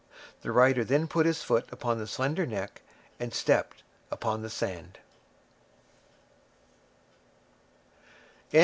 The rider then put his foot upon the slender neck, and stepped upon the sand.